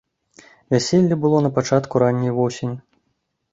Вяселле было на пачатку ранняй восені.